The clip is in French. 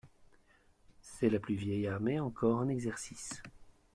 C'est la plus vieille armée encore en exercice.